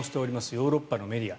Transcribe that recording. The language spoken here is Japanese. ヨーロッパのメディア。